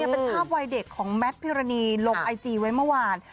เป็นภาพวัยเด็กของแมทพิรณีลงไอจีไว้เมื่อวาน